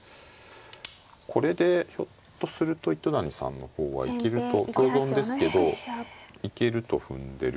これでひょっとすると糸谷さんの方は行けると香損ですけど行けると踏んでる。